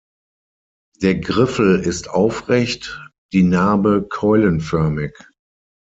Der Griffel ist aufrecht, die Narbe keulenförmig.